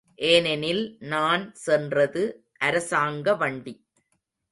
ஏனெனில், நான் சென்றது அரசாங்க வண்டி.